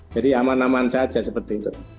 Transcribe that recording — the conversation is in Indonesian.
jadi aman aman saja seperti itu